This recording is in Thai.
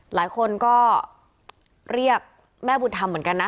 หลายคนก็เรียกแม่บุญธรรมเหมือนกันนะ